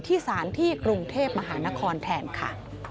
ที่ศาลที่กรุงเทพมหานครแทนค่ะ